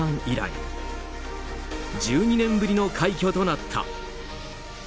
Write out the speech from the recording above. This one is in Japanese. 以来１２年ぶりの快挙となった。